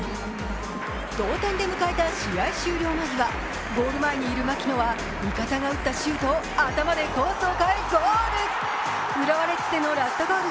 同点で迎えた試合終了間際、ゴール前にいた槙野は味方が打ったシュートを頭で触ってゴール。